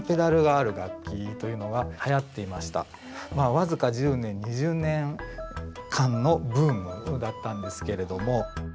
この当時はこのように僅か１０年２０年間のブームだったんですけれども。